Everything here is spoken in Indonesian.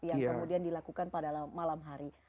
yang kemudian dilakukan pada malam hari